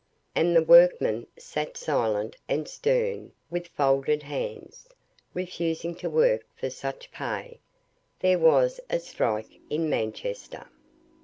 And the workmen sat silent and stern with folded hands, refusing to work for such pay. There was a strike in Manchester.